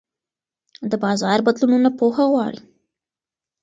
د بازار بدلونونه پوهه غواړي.